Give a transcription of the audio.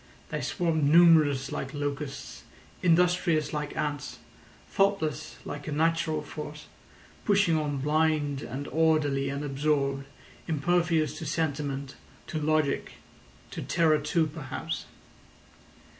They swarmed numerous like locusts, industrious like ants, thoughtless like a natural force, pushing on blind and orderly and absorbed, impervious to sentiment, to logic, to terror too perhaps.